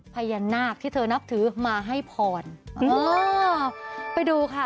พญานาคที่เธอนับถือมาให้พรเออไปดูค่ะ